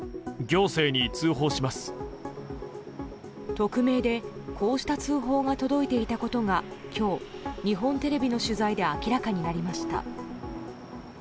匿名で、こうした通報が届いていたことが今日、日本テレビの取材で明らかになりました。